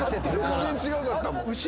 全然違うかったもん。